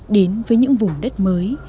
đến với những vùng đất mới